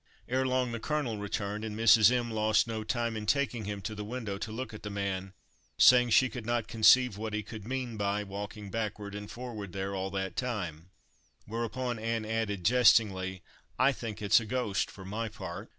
Ere long the colonel returned, and Mrs. M—— lost no time in taking him to the window to look at the man, saying she could not conceive what he could mean by walking backward and forward there all that time; whereupon Ann added, jestingly, "I think it's a ghost, for my part!"